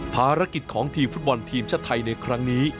ภารกิจของทีมฟุตบอลทีมชาติไทยในครั้งนี้